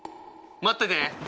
待ってて！